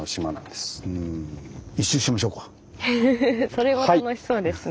それは楽しそうですね。